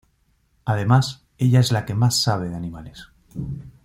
Además, ella es la que más sabe de animales.